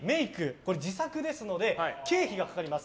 これは自作ですので経費が掛かります。